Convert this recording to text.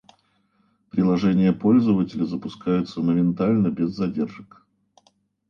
Приложения пользователя запускаются моментально, без задержек